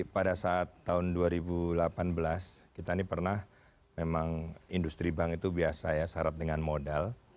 pada saat tahun dua ribu delapan belas kita ini pernah memang industri bank itu biasa ya syarat dengan modal